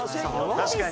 確かに。